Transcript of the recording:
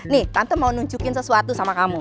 nih tante mau nunjukin sesuatu sama kamu